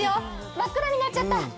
真っ暗になっちゃった。